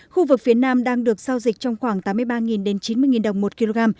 khu vực phía nam đang được giao dịch trong khoảng tám mươi ba đến chín mươi đồng một kg